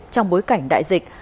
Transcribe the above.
trong bối cảnh đại dịch